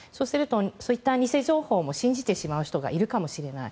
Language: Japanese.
そういった偽情報を信じてしまう人がいるかもしれない。